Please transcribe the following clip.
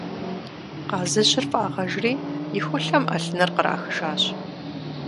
Къазыжьыр фӀагъэжри, и хулъэм Ӏэлъыныр кърахыжащ.